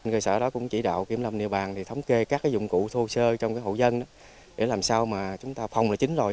cơ sở đó cũng chỉ đạo kiểm lâm địa bàn thì thống kê các dụng cụ thô sơ trong hậu dân để làm sao mà chúng ta phòng là chính rồi